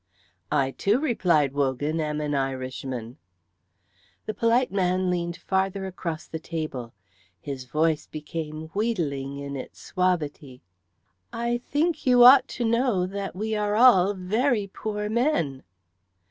"I, too," replied Wogan, "am an Irishman." The polite man leaned farther across the table; his voice became wheedling in its suavity. "I think you ought to know that we are all very poor men."